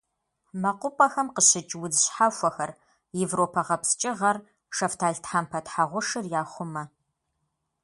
МэкъупӀэхэм къыщыкӀ удз щхьэхуэхэр: европэ гъэпскӀыгъэр, шэфталтхъэмпэ тхьэгъушыр яхъумэ.